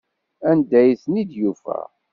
Anda ay ten-id-yufa?